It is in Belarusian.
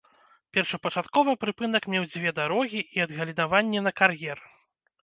Першапачаткова прыпынак меў дзве дарогі і адгалінаванне на кар'ер.